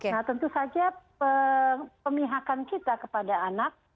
nah tentu saja pemihakan kita kepada anak